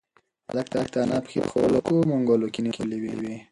هلک د انا پښې په خپلو وړوکو منگولو کې نیولې وې.